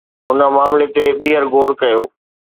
هن معاملي تي ٻيهر غور ڪيو